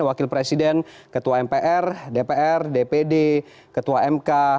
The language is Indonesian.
wakil presiden ketua mpr dpr dpd ketua mk